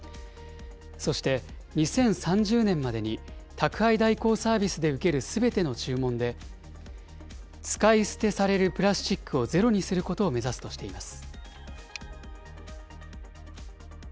そして、２０３０年までに、宅配代行サービスで受けるすべての注文で、使い捨てされるプラスチックをゼロにすることを目指すとしています。